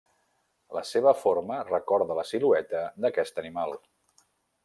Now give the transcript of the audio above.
La seva forma recorda la silueta d'aquest animal.